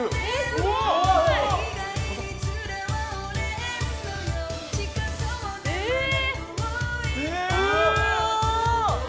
すごい！えー！